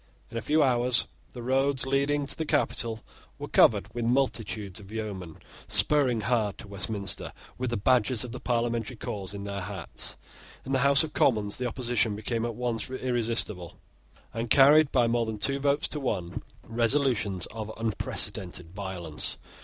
In a few hours the roads leading to the capital were covered with multitudes of yeomen spurring hard to Westminster with the badges of the parliamentary cause in their hats. In the House of Commons the opposition became at once irresistible, and carried, by more than two votes to one, resolutions of unprecedented violence.